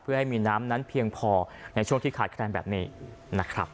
เพื่อให้มีน้ำนั้นเพียงพอในช่วงที่ขาดแคลนแบบนี้นะครับ